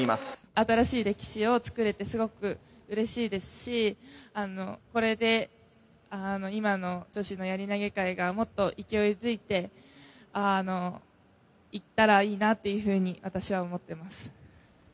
新しい歴史を作れてすごくうれしいですし、これで今の女子のやり投げ界がもっと勢いづいていったらいいなっていうふうに、私は思ってます。